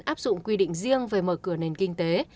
áp dụng quy định riêng về mở cửa nền kinh tế